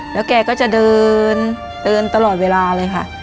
แล้วแกก็จะเดินเดินตลอดเวลาเลยค่ะ